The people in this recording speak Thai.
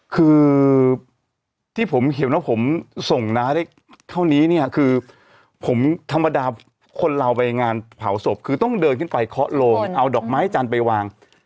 คือที่ผมเห็นว่าผมส่งน้าได้เท่านี้เนี่ยคือผมธรรมดาคนเราไปงานเผาศพคือต้องเดินขึ้นไปเคาะโลงเอาดอกไม้จันทร์ไปวาง